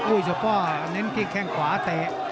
โอ้ยจบพ่อเน้นแข่งขวาเตะ